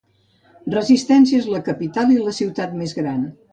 Resistencia és la capital i la ciutat més gran.